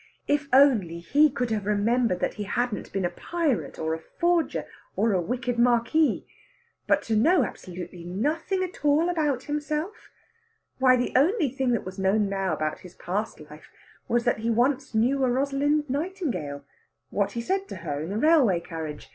If only he could have remembered that he hadn't been a pirate, or a forger, or a wicked Marquis! But to know absolutely nothing at all about himself! Why, the only thing that was known now about his past life was that he once knew a Rosalind Nightingale what he said to her in the railway carriage.